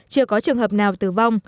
chưa có trường hợp nào tử vong